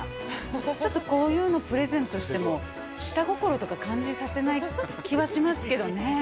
ちょっとこういうのプレゼントしても、下心とか感じさせない気はしますけどね。